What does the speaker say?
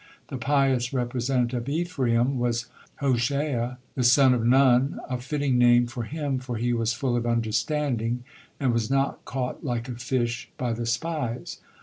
The pious representative of Ephraim was Hoshea, the son of Nun, a fitting name for him, for he was full of understanding and was not caught like a fish by the spies.